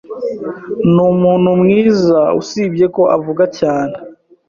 Ni umuntu mwiza, usibye ko avuga cyane.